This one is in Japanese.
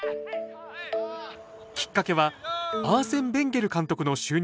きっかけはアーセン・ベンゲル監督の就任でした。